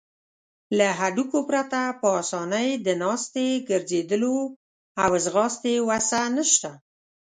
له هډوکو پرته په آسانۍ د ناستې، ګرځیدلو او ځغاستې وسه نشته.